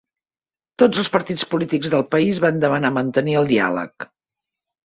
Tots els partits polítics del país van demanar mantenir el diàleg.